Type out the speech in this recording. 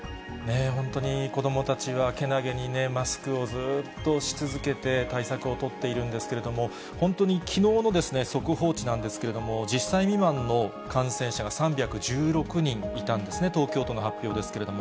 本当に、子どもたちはけなげにマスクをずっとし続けて、対策を取っているんですけれども、本当にきのうの速報値なんですけれども、１０歳未満の感染者が３１６人いたんですね、東京都の発表ですけれども。